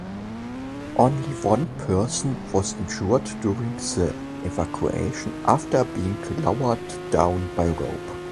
Only one person was injured during the evacuation after being lowered down by rope.